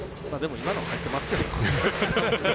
今の入ってますけどね。